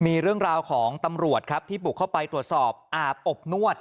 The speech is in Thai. มีเรื่องราวของตำรวจครับที่บุกเข้าไปตรวจสอบอาบอบนวด